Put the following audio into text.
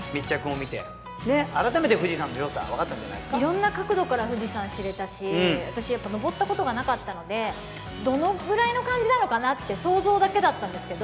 色んな角度から富士山知れたし私やっぱ登ったことがなかったのでどのぐらいの感じなのかなって想像だけだったんですけど